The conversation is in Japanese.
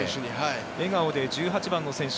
笑顔で１８番の選手